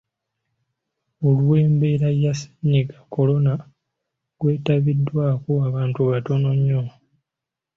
Olw’embeera ya Ssennyiga Kolona, gwetabiddwako abantu batono nnyo.